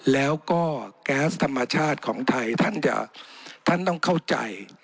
แล้วก็แก๊สธรรมชาติของไทยท่านจะท่านต้องเข้าใจ